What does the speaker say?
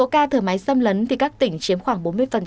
ca thở máy xâm lấn thì các tỉnh chiếm khoảng bốn mươi